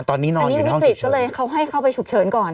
ตอนนี้นอนอยู่ในห้องฉุกเฉินอันนี้วิกฤตก็เลยเขาให้เข้าไปฉุกเฉินก่อน